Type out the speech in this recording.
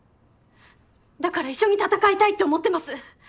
だから一緒に闘いたいって思ってます。